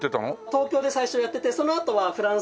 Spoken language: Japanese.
東京で最初やっててそのあとはフランスに行って。